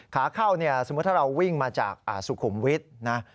ขาเข้าเนี่ยสมมุติถ้าเราวิ่งมาจากสุขุมวิทย์นะ